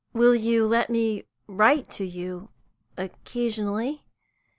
"Will you let me write to you occasionally?